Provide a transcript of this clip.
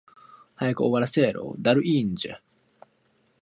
He made a comic face and whined, rubbing his knee.